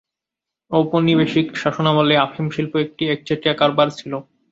ঔপনিবেশিক শাসনামলে আফিম শিল্প একটি একচেটিয়া কারবার ছিল।